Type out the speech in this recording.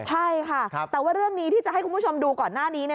ใช่ค่ะแต่ว่าเรื่องนี้ที่จะให้คุณผู้ชมดูก่อนหน้านี้